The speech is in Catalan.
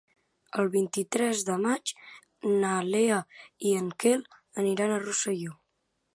El vint-i-tres de maig na Lea i en Quel aniran a Rosselló.